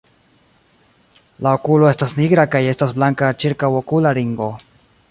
La okulo estas nigra kaj estas blanka ĉirkaŭokula ringo.